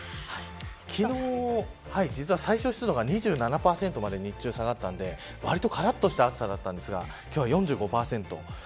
昨日、実は最小湿度が２７％まで下がったのでわりとからっとした暑さだったんですが今日は４５％。